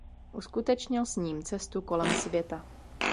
Uskutečnil s ním cestu kolem světa.